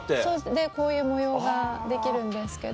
でこういう模様ができるんですけど。